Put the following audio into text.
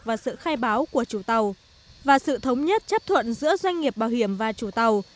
và sự khai báo của chủ tàu và sự thống nhất chấp thuận giữa doanh nghiệp bảo hiểm và chủ tàu